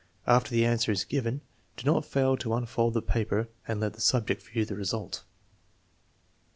After the answer is given, do not fail to unfold the paper and let the subject view the result.